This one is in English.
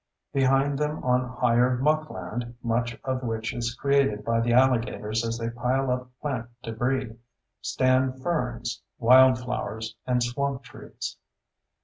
Behind them on higher muckland, much of which is created by the alligators as they pile up plant debris, stand ferns, wildflowers, and swamp trees.